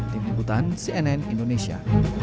tim ibutan cnn indonesia